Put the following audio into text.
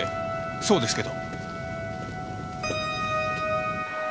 そうですけど。